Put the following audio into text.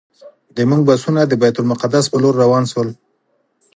زموږ بسونه د بیت المقدس پر لور روان شول.